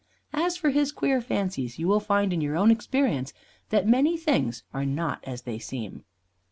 As for his queer fancies, you will find in your own experience that many things are not as they seem.